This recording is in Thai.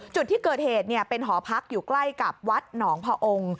จุดที่เกิดเหตุเป็นหอพักอยู่ใกล้กับวัดหนองพอองค์